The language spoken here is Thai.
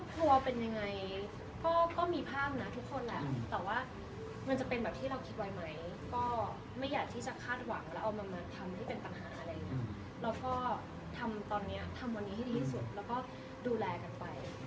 เราก็ทำตอนนี้ทำวันนี้ให้ที่สุดแล้วก็ดูแลกันไป